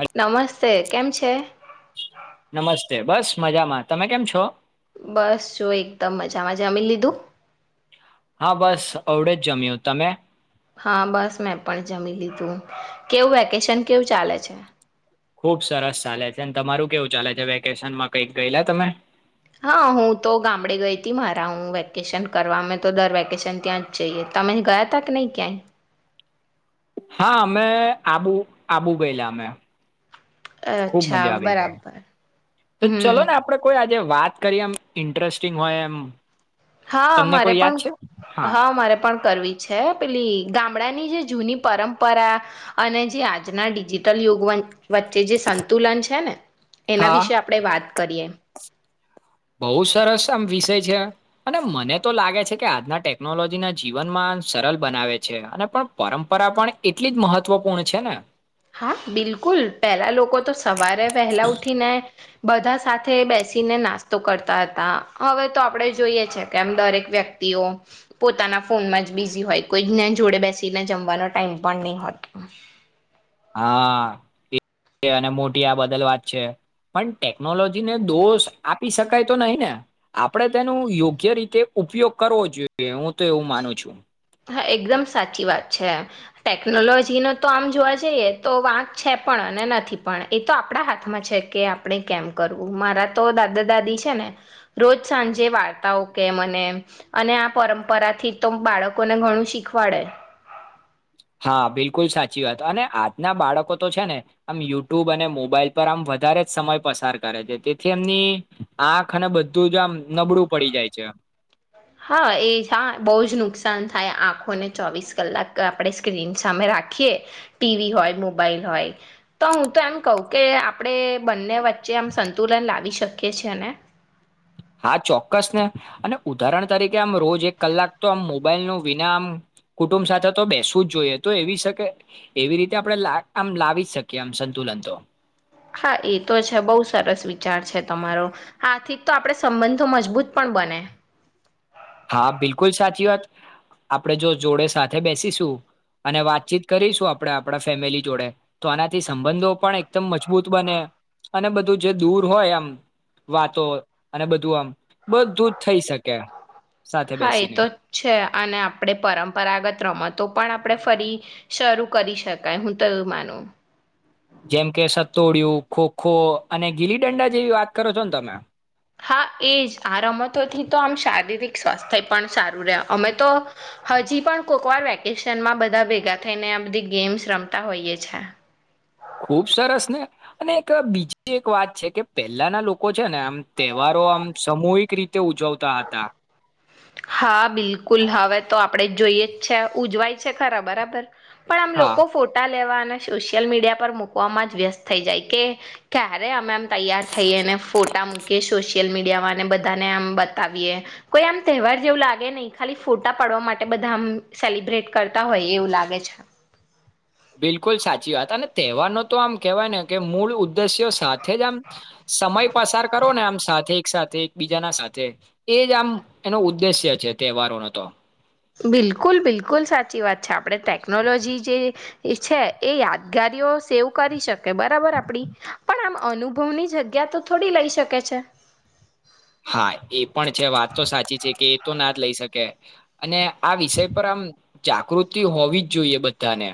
હલ નમસ્તે કેમ છે. નમસ્તે બસ મજામાં તમે કેમ છો. બસ જો એકદમ મજામાં જમી લીધું. હા બસ અવડે જ જમ્યું તમે. હા બસ મેં પણ જમી લીધું કેવું વેકેશન કેવું ચાલે છે. ખુબ સરસ ચાલે છે અને તમારું કેવું ચાલે છે વેકેશનમાં કઈક ગયેલા તમે. હા હું તો ગામડે ગઈ તી મારા હું વેકેશન કરવામે તો દર વેકેશન ત્યાં જ જઈએ તમે ગયા તા કે નહી ક્યાંય. હા અમે આબુ આબુ ગયેલા અમે. ખુબ અચ્છા મજા આવી ગઈ બરાબર તો ચલો હમ ને આપડે કોઈજ જો વાત કરી એમ ઇન્ટરેસ્ટિંગ હોય એમ. હા તમને મારે કોઈ યાદ પણ છે હા મારે પણ કરવી છે પેલી ગામડાની જે જૂની પરંપરા અને જે આજના ડિજિટલ યુગ વન વચ્ચે જે સંતુલન છે ને એના હા વિશે આપણે વાત કરીએ એમ. બહું સરસ આમ વિષય છે અને મને તો લાગે છે કે આજના ટેકનોલોજીના જીવનમાં સરળ બનાવે છે અને પણ પરમ્પરા પણ એટલી જ મહત્વપૂર્ણ છે ને. હા બિલકુલ પેલા લોકો તો સવારે વહેલા ઉઠીને. બધા સાથે બેસીને નાસ્તો કરતા હતા હવે તો આપણે જોઈએ છે કે આમ દરેક વ્યક્તિઓ પોતાના ફોનમાં જ બિઝી હોય કોઈ જઞ જોડે બેસીને જમવાનો ટાઈમ પણ નઈ હોય હા એ અને મોટી આ બદલ વાત છે પણ ટેકનોલોજીને દોષ આપી શકાય તો નહી ને આપણેે તેનું યોગ્ય રીતે ઉપયોગ કરવો જોઈએ હું તો એવું માનું છું. હા એકદમ સાચી વાત છે ટેકનોલોજી ન તો આમ જોવા જઈએ તો વાંક છે પણ અને નથી પણ એ તો આપણા હાથમાં છે કે આપણે કેમ કરવું મારા તો દાદા દાદી છે ને રોજ સાંજે વાર્તાઓ કેમ અને અને આ પરંપરાથી તો બાળક લોકોને ઘણું શીખવાડે હા બિલકુલ સાચી વાત અને આજના બાળકો તો છે ને આમ યુટ્યુબ અને મોબાઈલ પર આમ વધારે જ સમય પસાર કરે છે તેથી એમની આંખ અને બધું જ આમ નબળું પડી જાય છે. હા એ હા બહુ જ નુકસાન થાય આંખોને ચોવીસ કલાક આપણે સ્ક્રીન સામે રાખીએ ટીવી હોય મોબાઈલ હોય તો હું તો એમ કહું કે આપણે બંને વચ્ચે આમ સંતુલન લાવી શકીએ છેીએ ને. હા ચોક્કસ ને અને ઉદાહરણ તરીકે આમ રોજ એક કલાક તો આમ મોબાઈલનું વિના આમ કુટુંબ સાથે તો બેસવું જ જોઈએ તો એવી શકે એવી રીતે આપણે આમ લાવી જ શકીએ આમ સંતુલન તો. હા એ તો છે બહુ સરસ વિચાર છે તમારો હા થીક તો આપણે સંબંધો મજબૂત પણ બને. હા બિલકુલ સાચી વાત આપણેે જો જોડે સાથે બેસીશું અને વાતચીત કરીશું આપણે આપણા ફેમિલી જોડે તો આનાથી સંબંધો પણ એકદમ મજબૂત બને અને બધું જે દૂર હોય આમ વાતો અને બધું આમ બધુ જ થઈ શકે. સાથે હા, એ બેસીને તો છે અને આપણે પરંપરાગત રમતો પણ આપણે ફરી શરૂ કરી શકાય હું તો એવું માનું જેમ કે સતોડિયુ, ખોખો અને ગીલીડંડા જેવી વાત કરો છો ને તમે હા, એજ આ રમતોથી તો આમ શારીરિક સ્વાસ્થ્ય પણ સારું રહે અમે તો હજી પણ કોક વાર વેકેશનમાં બધા ભેગા થઈને આ બધી ગેમ્સ રમતા હોઈએ છે ખુબ સરસ ને અને એક બીજી એક વાત છે કે પહેલાના લોકો છે ને આમ તહેવારો આમ સામૂહિક રીતે ઉજવતા હતા હા, બિલકુલ હવે તો આપડે જોઈએ જ છે ઉજવાય ઉજવે છે ખરા બરાબર પણ આમ હા લોકો ફોટા લેવા સોશિયલ મીડિયા પર મૂકવામાં જ વ્યસ્ત થઈ જાય કે ક્યારે અમે એમ તૈયાર થઈએ ને ફોટા મૂકીએ સોશિયલ મીડિયા ને બધાને એમ બતાવીયેએ કોઈ આમ તહેવાર જેવું લાગે નહી ખાલી ફોટા પાડવા માટે બધા આમ સેલિબ્રેટ કરતા હોય એવું લાગે છે બિલકુલ સાચી વાત અને તહેવારનો તો આમ કેહેવાય ને કે મૂળ ઉદ્દેશ્યો સાથે જ આમ સમય પસાર કરો ને આમ સાથે એક સાથે એકબીજાના સાથે એ જ આમ એનો ઉદ્દેશ્ય છે તહેવારોનો તો બિલકુલ, બિલકુલ, સાચી વાત છે, આપડે ટેકનોલોજી જે છે એ, યાદ જગારીઓ સેવ કરી શકે બરાબર આપડી પણ આમ અનુભવની જગ્યા તો થોડી લઈ શકે છે હા, એ પણ છે વાત તો સાચી છે કે એ તો ના જ લઈ શકે અને આ વિષય પર આમ જાગૃતિ હોવી જ જોઈએ બધાને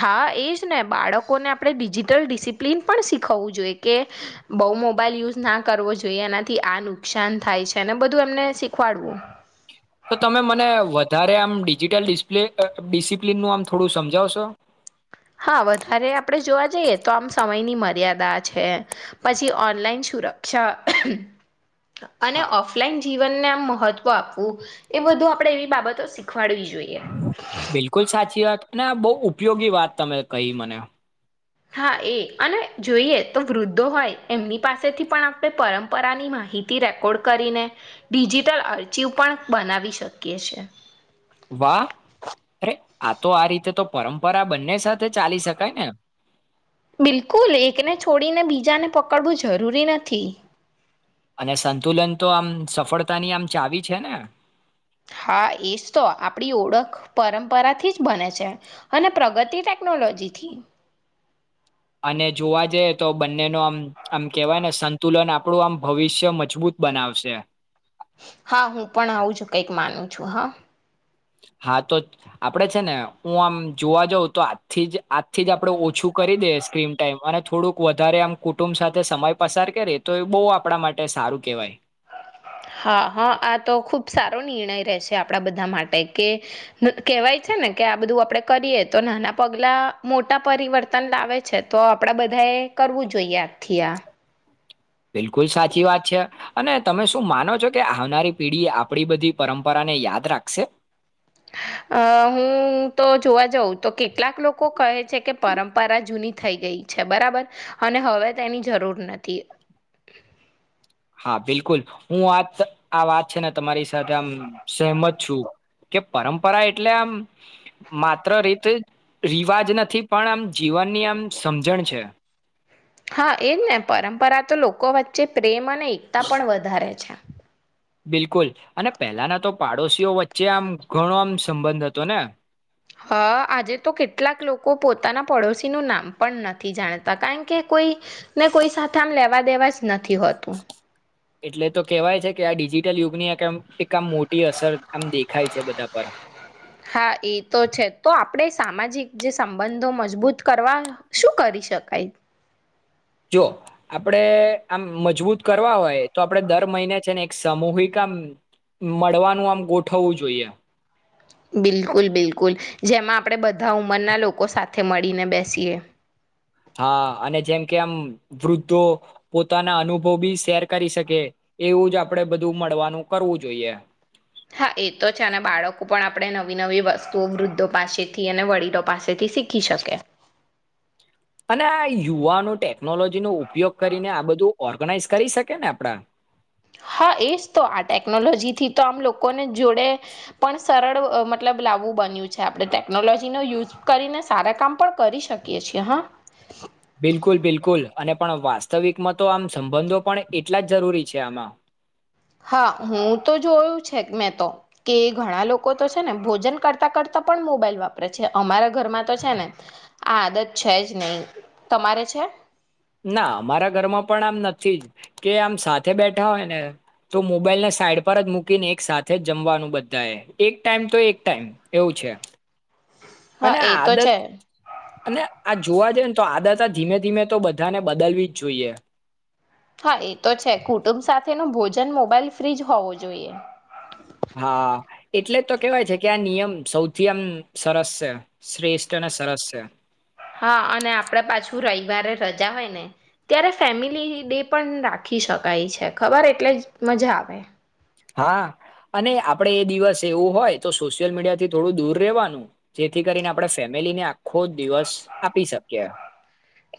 હા, એજ ને બાળકોને આપણે ડિજિટલ ડિસિપ્લિન પણ શીખવવું જોઈએ કે બહુ મોબાઈલ યુઝ ના કરવો જોઈએ એનાથી આ નુકસાન થાય છે, અને બધું એમને શીખવાડવું તો તમે મને વધારે આમ ડિજિટલિસ્પ્લે ડિસિપ્લનનું આમ થોડું સમજાવશો હા, વધારે આપણે જોવા જઈએ તો આમ સમયની મર્યાદા છે પછી ઓનલાઈન સુરક્ષા અને હા ઓફલાઈન જીવનને આમ મહત્વ આપવું એ બધું આપડે એવી બાબતો શીખ બિલકુલ સાચી વાત ના બહુ ઉપયોગી વાત તમે કહી મને. હા એ અને જોઈએ તો વૃદ્ધો હોય એમની પાસેથી પણ આપણે પરંપરાની માહિતી રેકોર્ડ કરીને ડિજિટલ અરચીવ પણ બનાવી શકીએ છે. વાહ અરે આ તો આ રીતે તો પરંપરા બંને સાથે ચાલી શકાય ને. બિલકુલ. એકને છોડીને બીજાને પકડવું જરૂરી નથી. અને સંતુલન તો આમ સફળતાની આમ ચાવી છે ને. હા એજ તો આપણી ઓળખ પરંપરાથી જ બને છે અને પ્રગતિ ટેકનોલોજીથી. અને જોવા જઈએ તો બંનેનો આમ આમ કેહેવાય ને સંતુલન આપણું આમ ભવિષ્ય મજબૂત બનાવશે. હા હું પણ આવું જ કંઈક માનું છું હા. હા તો આપડે છે ને હું આમ જોવા જઉં તો આથી જ આજથી જ આપડે ઓછું કરી દે સ્ક્રીન ટાઈમ અને થોડુંક વધારે આમ કુટુંબ સાથે સમય પસાર કરે તો એ બહ આપણા માટે સારું કેહેવાય. હા હા આ તો ખુબ સારો નિર્ણય રહેશે આપડા બધા માટે કે કેહેવાય છે ને કે આ બધું આપડણે કરીએ તો નાના પગલા મોટા પરિવર્તન લાવે છે તો આપડા બધા એ કરવું જોઈએ આજથી આ. બિલકુલ સાચી વાત છે. અને તમે શું માનો છો કે આવનારી પેઢી આપણી બધી પરંપરાને યાદ રાખશે. અ હું તો જોવા જઉં તો કેટલાક લોકો કહે છે કે પરંપરા જૂની થઈ ગઈ છે બરાબર અને હવે તેની જરૂર નથી હા બિલકુલ હું આ આ વાત છે ને તમારી સાથે આમ સહમત છું કે પરંપરા એટલે આમ માત્ર રીતે રિવાજ નથી પણ આમ જીવનની આમ સમજણ છે. હા એજ ને પરંપરા તો લોકો વચ્ચે પ્રેમ મને એકતા પણ વધારે છે. બિલકુલ અને પહેલાના તો પાડોશીઓ વચ્ચે આમ ઘણો આમ સંબંધ હતો ને. હા આજે તો કેટલાક લોકો પોતાના પડોશીનું નામ પણ નથી જાણતા કારણ કે કોઈ ને કોઈ સાથે આમ લેવા દેવા જ નથી. નથી હોતું. એટલે તો કેહેવાય છે કે આ ડિજિટલ યુગની આ કેટલીક આામ મોટી અસર આમ દેખાય છે બધા પર. હા એ તો છે તો આપણે સામાજિક જે સંબંધો મજબૂત કરવા શું કરી શકાય? જો આપણેે આમ મજબૂત કરવા હોય તો આપણે દર મહિને છે ને એક સામૂહિક આ મળવાનું આમ ગોઠવવું જોઈએ. બિલકુલ બિલકુલ જેમાં આપણે બધા ઉંમરના લોકો સાથે મળીને બેસીએ. હા અને જેમ કે આમ વૃદ્ધો પોતાના અનુભવ બી શેર કરી શકે એવું જ આપણેે બધું મળવાનું કરવું જોઈએ. હા એ તો છે અને બાળકો પણ આપણે નવી નવી વસ્તુઓ વૃદ્ધો પાસેથી અને વડીલો પાસેથી શીખી શકે. અને આ યુવાનો ટેકનોલોજીનો ઉપયોગ કરીને આ બધું ઓર્ગનાઈઝ કરી શકે ને આપડા હા એજ તો આ ટેકનોલોજીથી તો આમ લોકોને જોડે પણ સરળ મતલબ લાવવું બન્યું છે આપણે ટેકનોલોજીનો યુઝ કરીને સારા કામ પણ કરી શકીએ છીએ હા. બિલકુલ બિલકુલ અને પણ વાસ્તવિકમાં તો આમ સંબંધો પણ એટલા જ જરૂરી છે આમાં. હા હું તો જોયું મેં તો કે ઘણા લોકો તો છે ને ભોજન કરતા કરતા પણ મોબાઈલ વાપરે છે. અમારા ઘરમાં તો છે ને આ આદત છે જ નહી. તમારે છે? ના અમારા ઘરમાં પણ આમ નથી જ કે આમ સાથે બેઠા હોય ને તો મોબાઈલને સાઈડ પર જ મૂકીને એક સાથે જ જમવાનું બધા એ એક ટાઈમ તો એક ટાઈમ એવું છે. હા અને એ તો આદત છે અને આ જોવા જઈ તો આદાતા ધીમે ધીમે તો બધાને બદલવી જ જોઈએ. હા એ તો છે કુટુંબ સાથે તેનું ભોજન મોબાઈલ ફ્રી જ હોવું જોઈએ. હા એટલે તો કેવાય છે કે આ નિયમ સૌથી આમ સરસ છે શ્રેષ્ઠ અને સરસ છે. હા અને આપડ પાછું રવિવારે રજા હોય ને ત્યારે ફેમિલી ડે પણ રાખી શકાય છે ખબર એટલે જ મજા આવે. હા અને આપડે એ દિવસ એવું હોય તો સોશિયલ મીડિયાથી થોડું દૂર રહેવાનું. જેથી કરીને આપણેે ફેમિલીને આ ખોદ દિવસ આપી શકીયે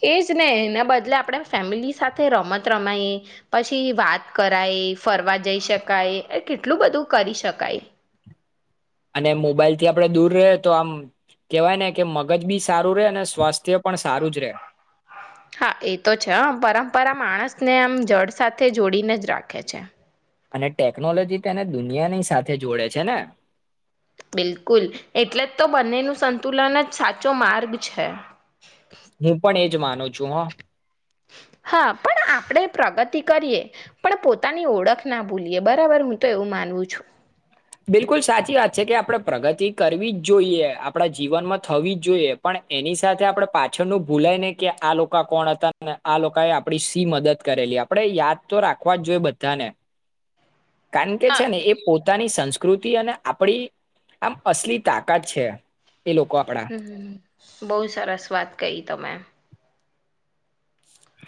એજ ને એના બદલે આપણે ફેમિલી સાથે રમત રમાઈયે પછી વાત કરાયે ફરવા જઈ શકાયે કેટલું બધું કરી શકાય અને મોબાઈલ થી આપણેે દૂર રયે તો આમ કેવાય ને કે મગજ બી સારું રહે અને સ્વાસ્થ્ય પણ સારું જ રે હા એ તો છે હં પરંપરા માણસને આમ જડ સાથે જોડીને જ રાખે છે અને ટેકનોલોજી તેને દુનિયાની સાથે જોડે છે ને બિલકુલ એટલે જ તો બંનેનું સંતુલન જ સાચો માર્ગ છે. હું પણ એ જ માનું છું હં તી કરીએ પણ પોતાની ઓળખ ના ભૂલીએ બરાબર હું તો એવું માનવું છું બિલકુલ સાચી વાત છે કે આપણે પ્રગતિ કરવી જ જોઈએ આપણા જીવનમાં થવી જ જોઈએ પણ એની સાથે આપણે પાછળનું ભૂલાય ને કે આ લોકો કોણ અતા ને આ લોકાએ આપણી સી મદદ કરેલી આપડે યાદ તો રાખવા જ જોઈએ બધાને કાન કે હા છે ને એ પોતાની સંસ્કૃતિ અને આપડી આમ અસલી તાકાત છે એ લોકો આપડા. હમ બઉ સરસ વાત કઈ તમે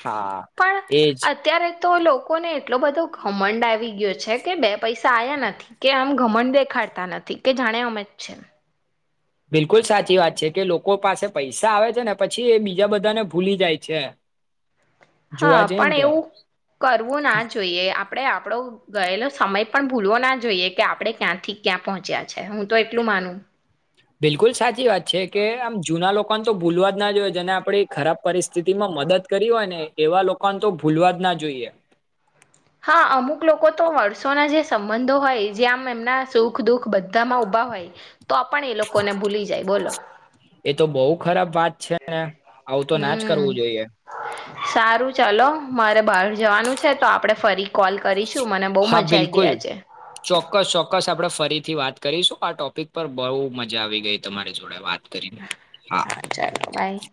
હા પણ એજ અત્યારે તો લોકોને એટલો બધો ઘમંડ આવી ગયો છે કે બે પૈસા આયા નથી કે આમ ઘમંડ દેખાડતા નથી કે જાણે અમે જ છે બિલકુલ સાચી વાત છે કે લોકો પાસે પૈસા આવે છે ને પછી એ બીજા બધાને ભૂલી જાય છે હા જોવા જઈએ ને પણ તો. એવું કરવું ના જોઈએ આપડે આ પડો ગયેલો સમય પણ ભૂલવો ના જોઈએ કે આપડે ક્યાંથી ક્યાં પહોંચ્યા છે હું તો એટલું માનું બિલકુલ સાચી વાત છે કે આમ જુના લોકોન તો ભૂલવા જ ના જોઈએ જેને આપડી ખરાબ પરિસ્થિતિમાં મદદ કરી હોય ને એવા લોકોન તો ભૂલવા જ ના જોઈએ. હા અમુક લોકો તો વર્ષોના જે સંબંધો હોય જે આમ એમના સુખ દુઃખ બધામાં ઊભા હોય તો પણ એ લોકો ને ભૂલી જાય બોલો એ તો બહુ ખરાબ વાત છે ને આવું તો ના જ હમ કરવું જોઈએ સારું ચલો મારે બાર જવાનું છે તો આપડે ફરી કોલ કરીશું મને બઉ મજા આઈ ગઈ આજે ક્કસ આપડે ફરીથી વાત કરીશું આ ટોપિક પર બઊ મજા આવી ગઈ તમારી જોડે વાત હા ચાલો બાય